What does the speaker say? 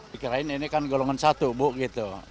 pikirin ini kan golongan satu bu gitu